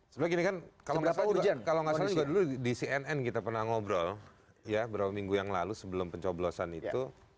sebenarnya gini kan kalau nggak salah juga dulu di cnn kita pernah ngobrol ya beberapa minggu yang lalu sebelum pencoblosan itu